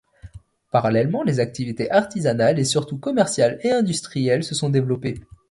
Parallèlement, les activités artisanales, et surtout commerciales et industrielles, se sont développées.